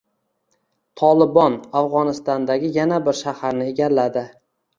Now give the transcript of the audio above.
“Tolibon” Afg‘onistondagi yana bir shaharni egalladi